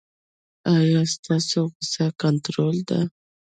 ایا ستاسو غوسه کنټرول ده؟